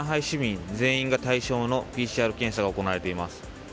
市民全員が対象のＰＣＲ検査が行われています。